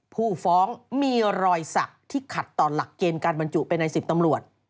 ผู้ฟ้องมีรอยสักที่ขัดต่อหลักเกณฑ์การบรรจุไปใน๑๐ตำรวจ